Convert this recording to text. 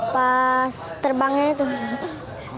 pas terbangnya itu